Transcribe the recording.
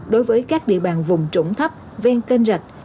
đối với các địa bàn vùng trũng thấp ven kênh rạch